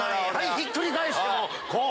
ひっくり返してもこう。